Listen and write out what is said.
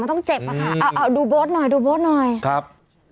อ่าอ่าดูโบ๊ทหน่อยดูโบ๊ทหน่อยครับ